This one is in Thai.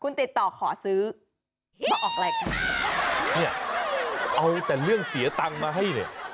เนี่ยเอาแต่เรื่องเสียตังค์มาให้เนี่ย